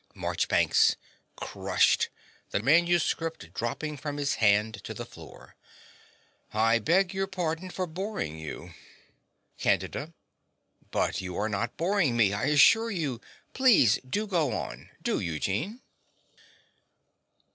MARCHBANKS (crushed the manuscript dropping from his hand to the floor). I beg your pardon for boring you. CANDIDA. But you are not boring me, I assure you. Please go on. Do, Eugene.